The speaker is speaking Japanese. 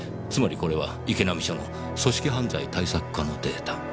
つまりこれは池波署の組織犯罪対策課のデータ。